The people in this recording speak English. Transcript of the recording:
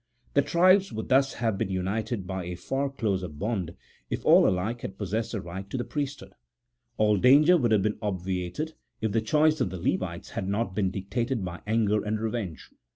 The tribes would thus have been united by a far closer bond, if all alike had possessed the right to the priesthood. All danger would have been obviated, if the choice of the Levites had not been dictated by anger and revenge.